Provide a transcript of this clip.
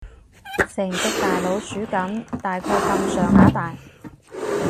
成隻大老鼠噉，大概噉上下大